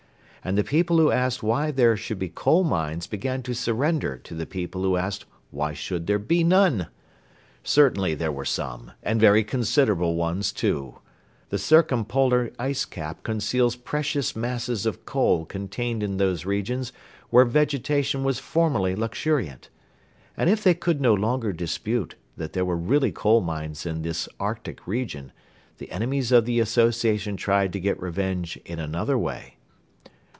And the people who asked why should there be coal mines began to surrender to the people who asked why should there be none. Certainly there were some, and very considerable ones, too. The circumpolar ice cap conceals precious masses of coal contained in those regions where vegetation was formerly luxuriant. But if they could no longer dispute that there were really coal mines in this Arctic region the enemies of the association tried to get revenge in another way.